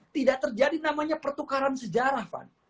tidak terjadi namanya pertukaran sejarah van